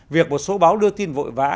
việc một số báo đưa tin vội vã